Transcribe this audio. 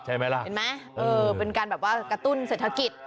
ใช่ไหมล่ะเห็นไหมเออเป็นการแบบว่ากระตุ้นเศรษฐกิจ